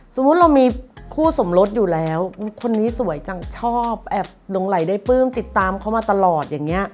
สมมุติเรามีคู่สมรสอยู่แล้วคนนี้สวยจังชอบแอบหลงไหลได้ปลื้มติดตามเขามาตลอดอย่างนี้